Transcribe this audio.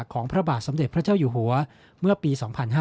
พระบาทสมเด็จพระเจ้าอยู่หัวเมื่อปี๒๕๕๙